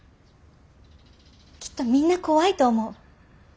きっとみんな怖いと思う。